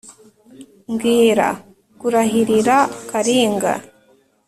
Mbwira kurahirira Kalinga,